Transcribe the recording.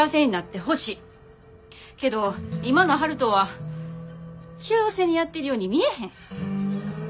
けど今の悠人は幸せにやってるように見えへん。